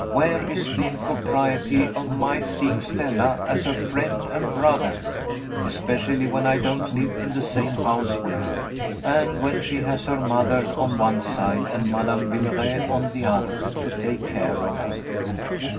Where is the impropriety of my seeing Stella, as her friend and brother especially when I don't live in the same house with her, and when she has her mother, on one side, and Madame Villeray, on the other, to take care of her?